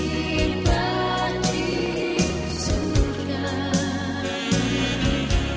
berpang pada salib itu